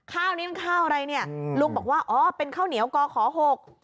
ข้าวนี้มันข้าวอะไรเนี่ยลุงบอกว่าอ๋อเป็นข้าวเหนียวกอขอหก